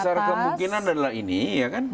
besar kemungkinan adalah ini ya kan